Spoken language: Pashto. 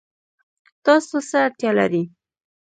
تاسو څه ته اړتیا لرئ؟